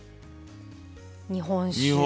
日本酒。